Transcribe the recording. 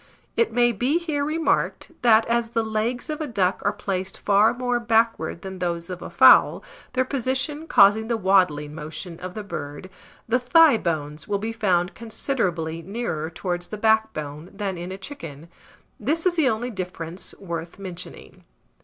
It may be here remarked, that as the legs of a duck are placed far more backward than those of a fowl, their position causing the waddling motion of the bird, the thigh bones will be found considerably nearer towards the backbone than in a chicken: this is the only difference worth mentioning.